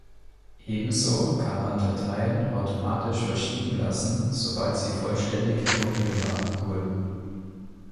Ebenso kann man Dateien automatisch verschieben lassen, sobald sie vollständig heruntergeladen wurden.